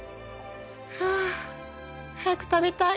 はあ早く食べたい。